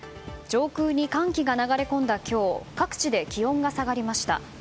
上空に寒気が流れ込んだ今日各地で気温が下がりました。